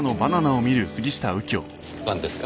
なんですか？